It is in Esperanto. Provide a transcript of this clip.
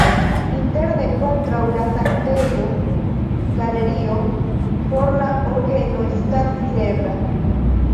Interne kontraŭ la sanktejo galerio por la orgeno estas videbla.